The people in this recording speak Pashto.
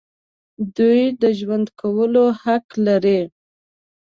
دوی د ژوند کولو حق لري.